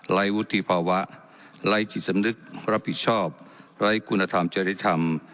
วุฒิภาวะไร้จิตสำนึกรับผิดชอบไร้คุณธรรมจริธรรม